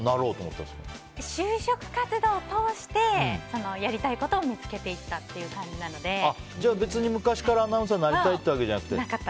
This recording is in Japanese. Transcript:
就職活動を通してやりたいことを見つけていったじゃあ、別に昔からアナウンサーになりたいわけじゃなくて。